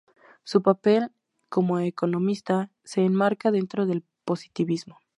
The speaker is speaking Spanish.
Su papel como economista se enmarca dentro del positivismo.